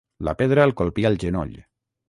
La pedra el colpí al genoll.